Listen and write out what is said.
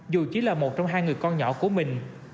dù chỉ là một trong hai người con nhỏ của mình